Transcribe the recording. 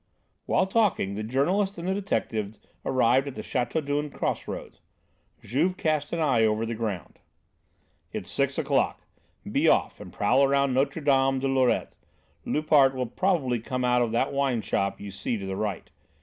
While talking, the journalist and the detective arrived at the Chateaudun cross roads. Juve cast an eye over the ground. "It's six o'clock. Be off and prowl around Notre Dame de Lorette. Loupart will probably come out of that wine shop you see to the right.